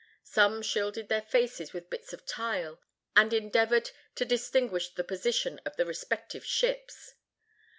Some shielded their faces with bits of tile, and endeavored to distinguish the position of the respective ships.